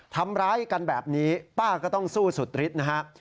ทำร้ายกันแบบนี้ป้าก็ต้องสู้สุดฤทธิ์นะฮะ